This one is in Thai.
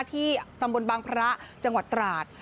ที่ตำบลบางพระจังหวัดตราด